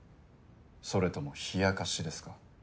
それとも冷やかしですか？